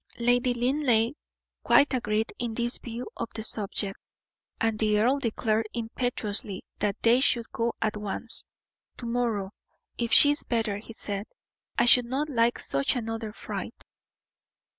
Lady Linleigh quite agreed in this view of the subject, and the earl declared impetuously that they should go at once to morrow if she is better, he said, "I should not like such another fright."